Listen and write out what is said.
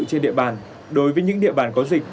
trên địa bàn đối với những địa bàn có dịch